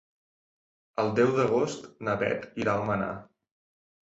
El deu d'agost na Bet irà a Almenar.